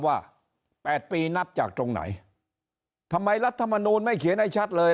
๘ปีนับจากตรงไหนทำไมรัฐมนูลไม่เขียนให้ชัดเลย